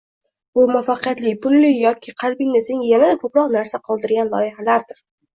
Bu muvaffaqiyatli, pulli yoki qalbingda senga yanada koʻproq narsa qoldirgan loyihalardir.